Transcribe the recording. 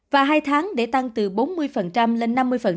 và hai tháng để tăng từ bốn mươi lên năm mươi